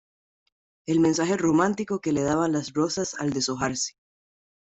el mensaje romántico que le daban las rosas al deshojarse.